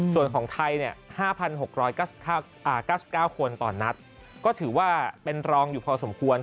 ส่วนของไทย๕๖๙๙คนต่อนัดก็ถือว่าเป็นรองอยู่พอสมควร